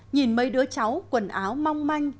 nhìn mấy đứa cháu quần áo mong manh